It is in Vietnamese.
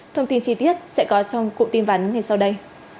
thông tin chi tiết sẽ có trong cụ tin vắn ngày sau đây